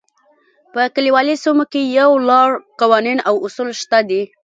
په کلیوالي سیمو کې یو لړ قوانین او اصول شته دي.